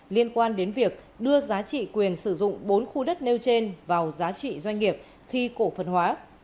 liên quan đến việc đưa giá trị quyền sử dụng bốn khu đất nêu trên vào giá trị doanh nghiệp khi cổ phần hóa